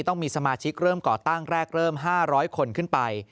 ต้องมีสมาชิกเริ่มก่อตั้งแรกเริ่ม๕๐๐คนขึ้นไป